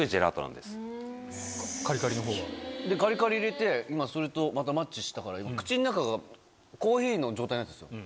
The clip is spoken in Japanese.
カリカリの方は？でカリカリ入れて今それとまたマッチしたから口の中がコーヒーの状態なんですよ。